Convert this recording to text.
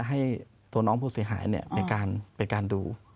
ให้ตัวน้องผู้เสียหายเป็นการดู